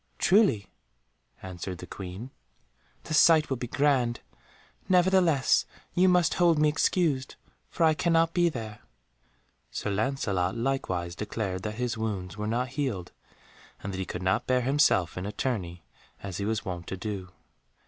"Truly," answered the Queen, "the sight will be grand. Nevertheless you must hold me excused, for I cannot be there." Sir Lancelot likewise declared that his wounds were not healed and that he could not bear himself in a tourney as he was wont to do.